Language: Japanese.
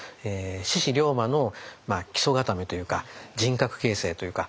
志士龍馬の基礎固めというか人格形成というか。